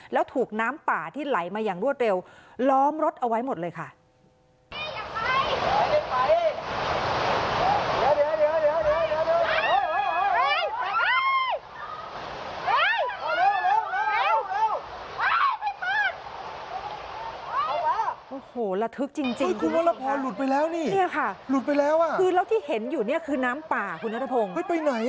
แล้วที่เห็นอยู่นี่คือน้ำป่าคุณนัทธรรม